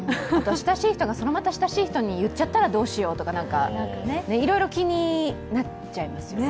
親しい人が、そのまた親しい人に言っちゃったらどうしようとかいろいろ気になっちゃいますね。